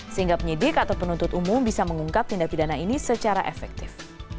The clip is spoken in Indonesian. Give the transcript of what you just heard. sehingga penyidik atau penuntut umum bisa mengungkap tindak pidana ini secara efektif